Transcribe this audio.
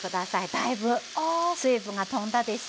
だいぶ水分がとんだでしょう？